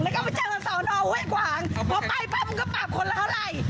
แล้วก็เจอสอนออบเว้ยกว่างพอไปปรับมึงก็ปรับคนแล้วอะไร